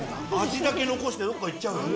味だけ残してどっか行っちゃう。